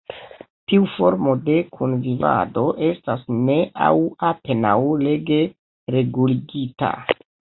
Tiu formo de kunvivado estas ne aŭ apenaŭ leĝe reguligita.